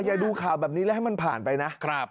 อย่าดูข่าวแบบนี้แล้วให้มันผ่านไปนะ